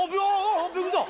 あびっくりした！